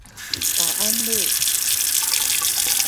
保安路